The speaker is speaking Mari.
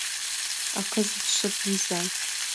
А кызыт шып лийза.